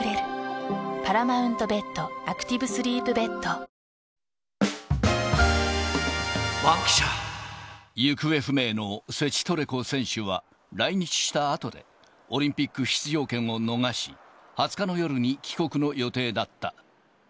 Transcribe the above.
やっぱ歩いてたら、行方不明のセチトレコ選手は、来日したあとで、オリンピック出場権を逃し、２０日の夜に帰国の予定だった。